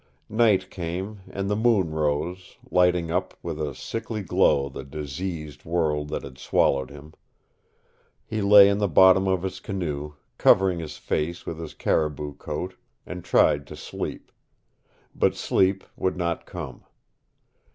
Night came, and the moon rose, lighting up with a sickly glow the diseased world that had swallowed him. He lay in the bottom of his canoe, covering his face with his caribou coat, and tried to sleep. But sleep would not come.